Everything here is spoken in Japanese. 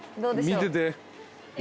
見てて。